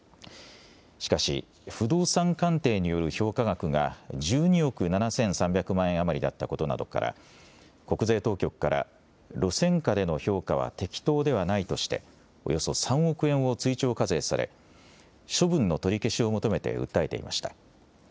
しかし不動産鑑定による評価額が１２億７３００万円余りだったことなどから国税当局から路線価での評価は適当ではないとしておよそ３億円を追徴課税され処分の取り消しを求めて訴えていました。